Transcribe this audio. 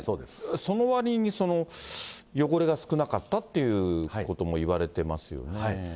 そのわりに汚れが少なかったってこともいわれてますよね。